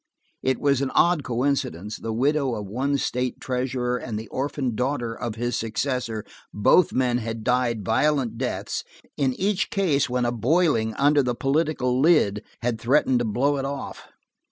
It was an odd coincidence, the widow of one state treasurer and the orphaned daughter of his successor; both men had died violent deaths, in each case when a boiling under the political lid had threatened to blow it off.